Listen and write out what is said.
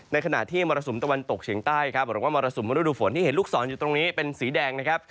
ขณะที่มรสุมตะวันตกเฉียงใต้ครับหรือว่ามรสุมฤดูฝนที่เห็นลูกศรอยู่ตรงนี้เป็นสีแดงนะครับ